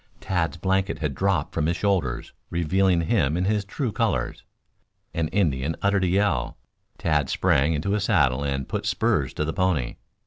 Tad's blanket had dropped from his shoulders, revealing him in his true colors. An Indian uttered a yell. Tad sprang into his saddle and put spurs to the pony.